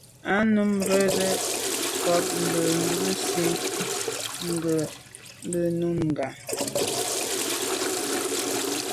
Á nǔm rə̂ jû zə̄ à' cûp bí gə́ zî cû vút gí bú Nùngà.